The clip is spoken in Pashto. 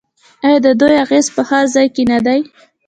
آیا د دوی اغیز په هر ځای کې نه دی؟